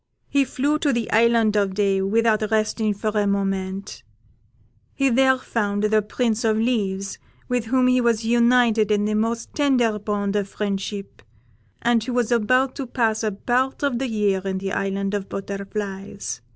He flew to the Island of Day without resting for a moment; he there found the Prince of Leaves, with whom he was united in the most tender bond of friendship, and who was about to pass a part of the year in the Island of Butterflies.